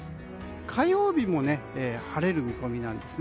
火曜日も晴れる見込みなんです。